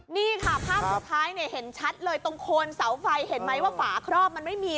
นี่ค่ะภาพสุดท้ายเนี่ยเห็นชัดเลยตรงโคนเสาไฟเห็นไหมว่าฝาครอบมันไม่มี